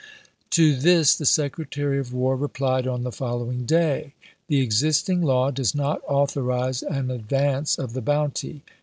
To this the Secretary of War replied on the fol lowing day :" The existing law does not authorize an advance of the bounty.